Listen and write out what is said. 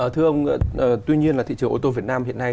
thưa ông tuy nhiên là thị trường ô tô việt nam hiện nay